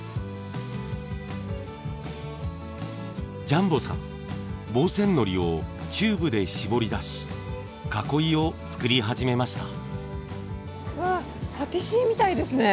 ジャンボさん防染のりをチューブで絞り出し囲いを作り始めました。